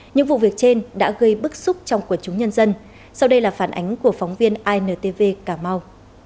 những vụ việc trên đã gây bức xúc trong quần chúng nhân dân sau đây là phản ánh của phóng viên intv cà mau